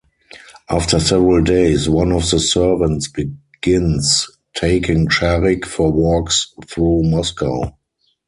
After several days, one of the servants begins taking Sharik for walks through Moscow.